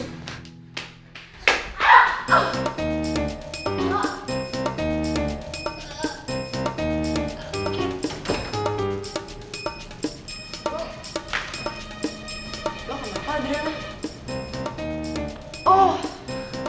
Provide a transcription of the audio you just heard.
lo kenapa dina